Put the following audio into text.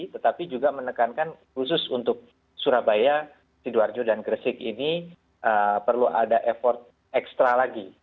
tetapi juga menekankan khusus untuk surabaya sidoarjo dan gresik ini perlu ada effort ekstra lagi